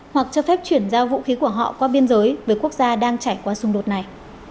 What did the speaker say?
hoặc cho phép chuyển giao vũ khí của họ qua biên giới với quốc gia đang trải qua xung đột này